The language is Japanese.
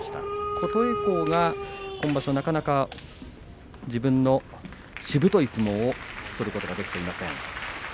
琴恵光が今場所なかなか自分のしぶとい相撲を取ることができていません。